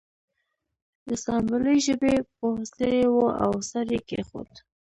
د اسامبلۍ ژبې پوه ستړی و او سر یې کیښود